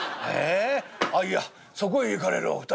「あいやそこへ行かれるお二人。